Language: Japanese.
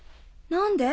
何で？